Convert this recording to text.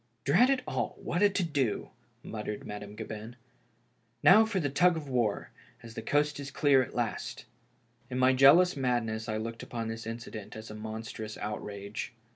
" Drat it all I what a to do 1 " muttered Madame Gabin. "Kowfor the tug of war, as the coast is clear at last." In my jealous madness I looked upon this incident as a monstrous outrage.